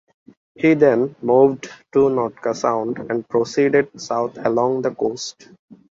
He then moved to Nootka Sound and proceeded south along the coast.